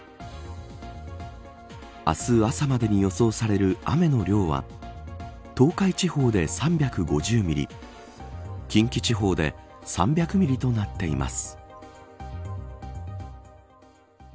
明日朝までに予想される雨の量は東海地方で３５０ミリ近畿地方で３００ミリとなっています。